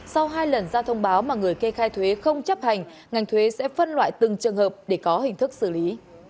sau hai lần ra thông báo mà người kê khai thuế không chấp hành ngành thuế sẽ phân loại từng trường hợp để có hình thức xử lý